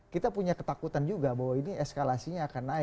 kita punya ketakutan juga bahwa ini eskalasinya akan naik